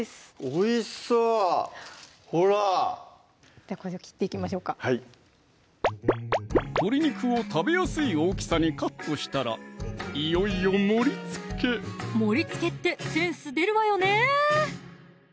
おいしそうほらこれを切っていきましょうか鶏肉を食べやすい大きさにカットしたらいよいよ盛りつけ盛りつけってセンス出るわよね